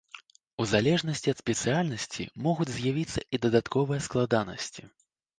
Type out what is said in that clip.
У залежнасці ад спецыяльнасці, могуць з'явіцца і дадатковыя складанасці.